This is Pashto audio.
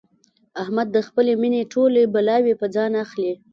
احمد د خپلې مینې ټولې بلاوې په ځان اخلي.